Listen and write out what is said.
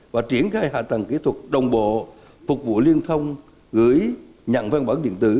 và triển khai hạ tầng kỹ thuật đồng bộ phục vụ liên thông gửi nhận văn bản điện tử